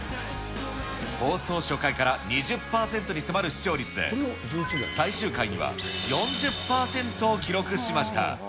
放送初回から２０％に迫る視聴率で、最終回には、４０％を記録しました。